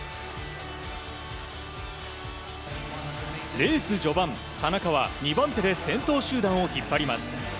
レース序盤、田中は２番手で先頭集団を引っ張ります。